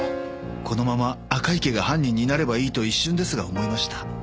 「このまま赤池が犯人になればいいと一瞬ですが思いました」